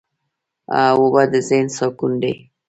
اوبه د ذهن سکون دي.